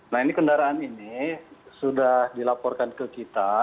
nah ini kendaraan ini sudah dilaporkan ke kita